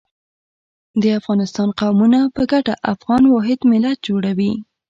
د افغانستان قومونه په ګډه افغان واحد ملت جوړوي.